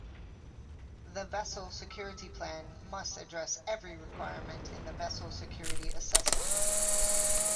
The Vessel Security Plan must address every requirement in the Vessel Security Assessment.